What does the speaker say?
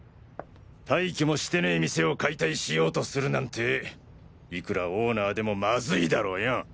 退去もしてねえ店を解体しようとするなんていくらオーナーでもマズいだろうよ。